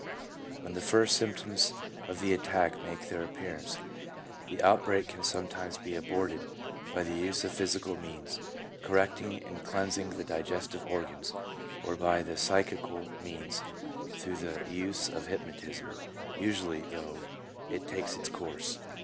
3 When the first symptoms of the attack make their appearance, the outbreak can sometimes be aborted by the use of physical means, correcting and cleans ing the digestive organs, or by psychical means through the use of hypnotism; usually, though, it takes its course.